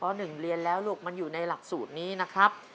เพราะหนึ่งเรียนแล้วลูกมันอยู่ในหลักสูตรนี้นะครับ